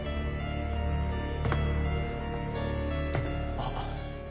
あっ。